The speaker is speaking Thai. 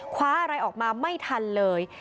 คว้าอะไรออกมาไม่ทันเลย